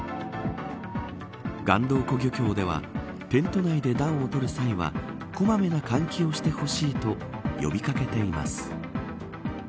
岩洞湖漁協ではテント内で暖を取る際はこまめな換気をしてほしいと呼び掛けています。